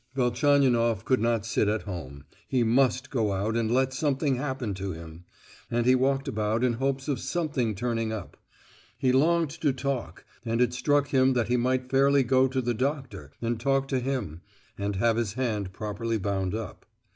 Velchaninoff could not sit at home, he must go out and let something happen to him, and he walked about in hopes of something turning up; he longed to talk, and it struck him that he might fairly go to the doctor and talk to him, and have his hand properly bound up.